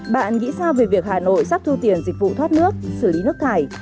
bạn nghĩ sao về việc hà nội sắp thu tiền dịch vụ thoát nước xử lý nước thải